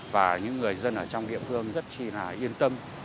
và những người dân ở trong địa phương rất chi là yên tâm